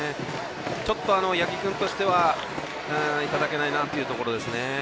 ちょっと八木君としてはいただけないなというところですね。